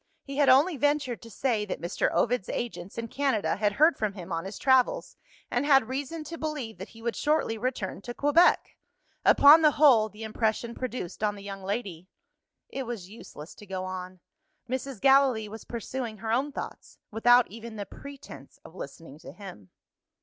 He had only ventured to say that Mr. Ovid's agents in Canada had heard from him on his travels, and had reason to believe that he would shortly return to Quebec. Upon the whole, the impression produced on the young lady It was useless to go on. Mrs. Gallilee was pursuing her own thoughts, without even the pretence of listening to him.